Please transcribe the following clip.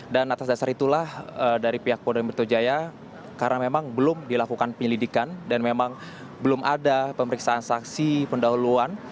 dan atas dasar itulah dari pihak polda metro jaya karena memang belum dilakukan penyelidikan dan memang belum ada pemeriksaan saksi pendahuluan